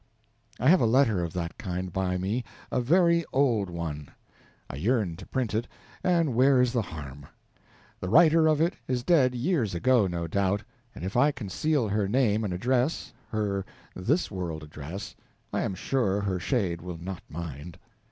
I have a letter of that kind by me, a very old one. I yearn to print it, and where is the harm? The writer of it is dead years ago, no doubt, and if I conceal her name and address her this world address I am sure her shade will not mind.